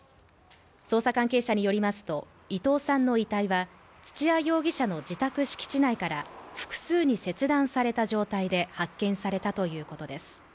捜査関係者によりますと、伊藤さんの遺体は土屋容疑者の自宅敷地内から複数に切断された状態で発見されたということです。